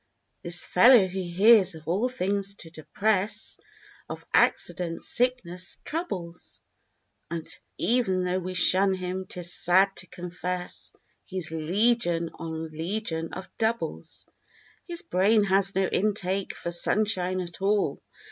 This fellow who hears of all things to depress; Of accidents, sicknesses, troubles; And e'en though we shun him, 'tis sad to confess. He's legion on legion of doubles. His brain has no intake for sunshine at all.